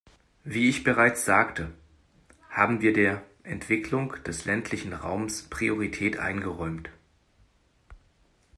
Wie ich bereits sagte, haben wir der Entwicklung des ländlichen Raums Priorität eingeräumt.